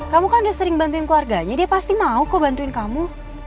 kamu kan udah sering bantuin keluarganya dia pasti mau kok bantuin kamu